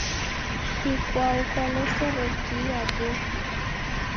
Ikwau kwalosero kihi aboo?